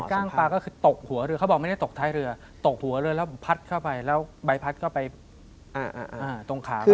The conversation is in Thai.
กล้างปลาก็คือตกหัวเรือเขาบอกไม่ได้ตกท้ายเรือตกหัวเรือแล้วพัดเข้าไปแล้วใบพัดก็ไปตรงขา